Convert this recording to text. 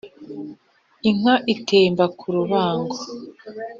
inka itemba ku rubango